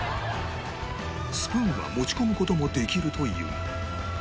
スプーンは持ち込む事もできるというが